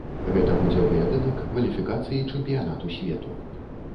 Гэта будзе паядынак кваліфікацыі чэмпіянату свету.